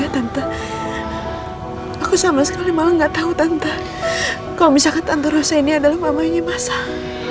tante aku sama sekali malah nggak tahu tante kalau misalkan tante rasa ini adalah mama yang masang